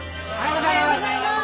おはようございます。